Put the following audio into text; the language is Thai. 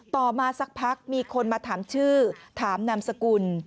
ต่อมาสักพักมีคนมาถามชื่อถามนามสกุล